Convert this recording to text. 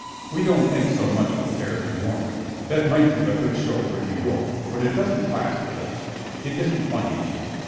We don't think so much of "Fair and Warmer." That might be a good show for New York, but it doesn't class with us. It isn't funny enough.